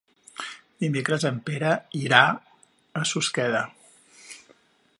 Dimecres en Pere irà a Susqueda.